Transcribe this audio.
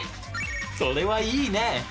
それはいいね！